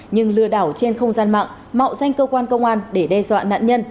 nhưng lừa đảo trên không gian mạng mạo danh cơ quan công an để đe dọa nạn nhân